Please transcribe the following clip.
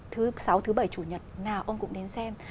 thứ sáu thứ bảy chủ nhật nào ông cũng đến xem